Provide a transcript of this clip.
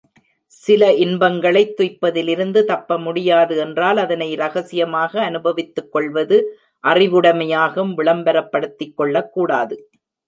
சில இன்பங்களைத் துய்ப்பதிலிருந்து தப்பமுடியாது என்றால், அதனை ரகசியமாக அனுபவித்துக் கொள்வது அறிவுடைமையாகும் விளம்பரப்படுத்திக் கொள்ளக் கூடாது.